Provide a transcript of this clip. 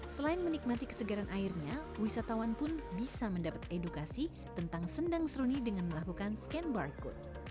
selain menikmati kesegaran airnya wisatawan pun bisa mendapat edukasi tentang sendang seruni dengan melakukan scan barcode